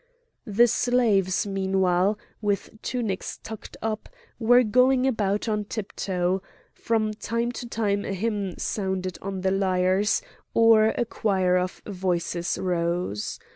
The slaves, meanwhile, with tunics tucked up, were going about on tiptoe; from time to time a hymn sounded on the lyres, or a choir of voices rose.